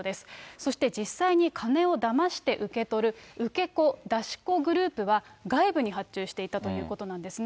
そして実際に金をだまして受け取る受け子、出し子グループは、外部に発注していたということなんですね。